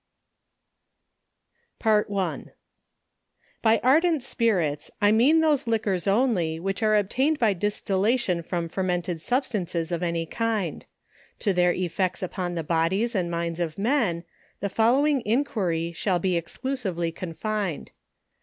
13 Y ardent spirits, I mean those liquors only which arc obtained by distillation from fermented substances of any kind. To their effects upon the bodies and minds of men, the following inquiry shall be exclusively confined.